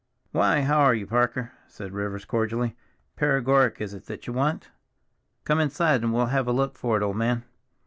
"Why, how are you, Parker?" said Rivers cordially. "Paregoric is it that you want? Come inside, and we'll have a look for it, old man."